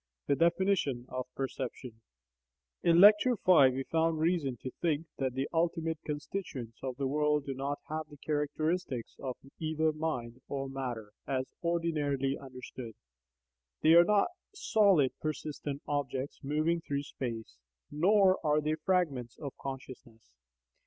THE DEFINITION OF PERCEPTION In Lecture V we found reason to think that the ultimate constituents* of the world do not have the characteristics of either mind or matter as ordinarily understood: they are not solid persistent objects moving through space, nor are they fragments of "consciousness."